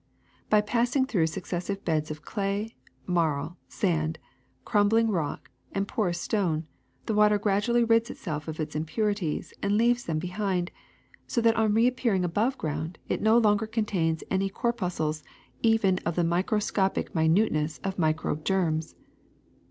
By pass ing through successive beds of clay, marl, sand, crumbling rock, and joorous stone, the water grad ually rids itself of its impurities and leaves them be hind, so that on reappearing above ground it no longer contains any corpuscles even of the micro scopic minuteness of microbe germs.